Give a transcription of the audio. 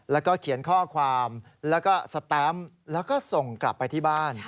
แล้วก็เขียนข้อความแล้วก็สแตมป์แล้วก็ส่งกลับไปที่บ้าน